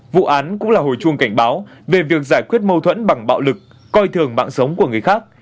vụ án cũng là hồi chuông cảnh báo về việc giải quyết mâu thuẫn bằng bạo lực coi thường mạng sống của người khác